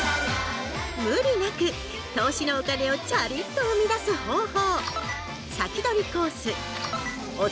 無理なく投資のお金をチャリンとうみだす方法